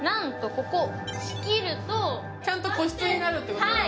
ここ、仕切るとちゃんと個室になるってことね。